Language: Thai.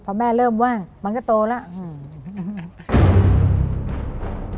พอแม่เริ่มว่างมันก็โตแล้วอืม